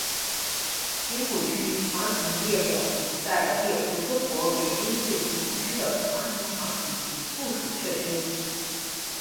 平谷区长城列表旨在列出中国北京市平谷区的长城墙体及附属设施。